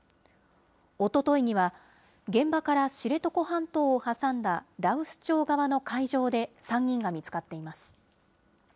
おとといには、現場から知床半島を挟んだ羅臼町側の海上で３人が見つかっています。